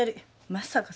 まさか。